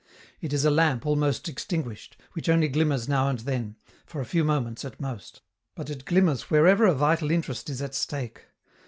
It is a lamp almost extinguished, which only glimmers now and then, for a few moments at most. But it glimmers wherever a vital interest is at stake.